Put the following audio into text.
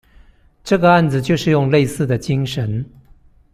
這個案子就是用類似的精神